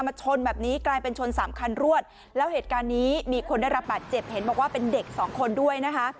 ชนแบบนี้กลายเป็นชนสามคันรวดแล้วเหตุการณ์นี้มีคนได้รับบาดเจ็บเห็นบอกว่าเป็นเด็กสองคนด้วยนะคะ